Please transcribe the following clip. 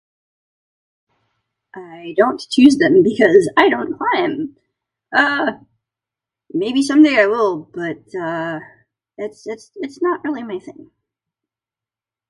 I don't choose them because I don't buy 'em. Uh, maybe someday I will, but, uh, it's it's it's not really my thing.